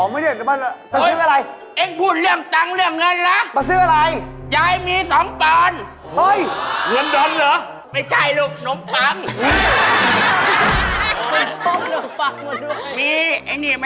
มีตังค์ไหม